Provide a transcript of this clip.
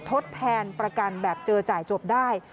ทดแทนประกันแบบเจอจ่ายจบได้